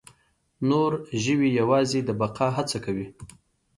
نور ژوي یواځې د بقا هڅه کوي.